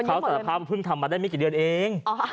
เขาสารภาพว่าเพิ่งทำมาได้ไม่กี่เดือนเอง